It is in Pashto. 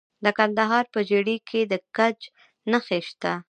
د کندهار په ژیړۍ کې د ګچ نښې شته.